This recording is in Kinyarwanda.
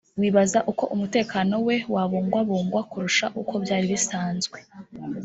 wibaza uko umutekano we wabungwabungwa kurusha uko byari bisanzwe